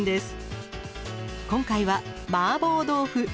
今回はマーボー豆腐。